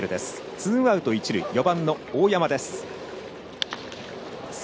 ツーアウト、一塁４番の大山です。